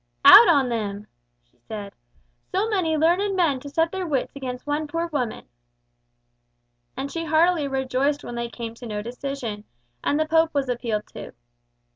"Out on them!" she said. "So many learned men to set their wits against one poor woman!" And she heartily rejoiced when they came to no decision, and the Pope was appealed to.